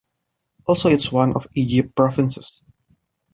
Also its one of Egypt provinces.